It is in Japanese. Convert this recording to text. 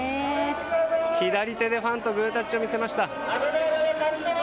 左手でファンとグータッチを見せました。